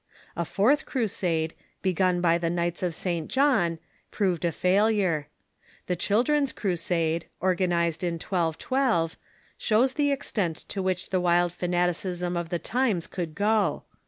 A fourth Crusade, begun by the Knights of St. John, proved a failure. The Children's Crusade, organized in 1212, shows the extent to which the wild fanaticism of the times could go.